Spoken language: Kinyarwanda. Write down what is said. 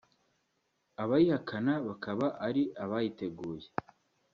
abayihakana bakaba ari abayiteguye